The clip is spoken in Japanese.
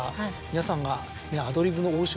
皆さんが。